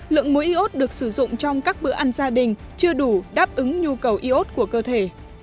lượng mối y ốt được sử dụng trong các bữa ăn gia đình chưa đủ đáp ứng nhu cầu y ốt của cơ thể